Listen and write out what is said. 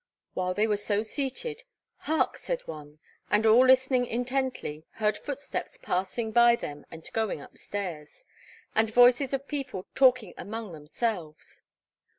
While they were so seated, 'Hark!' said one, and all listening intently, heard footsteps passing by them and going up stairs, and voices of people talking among themselves.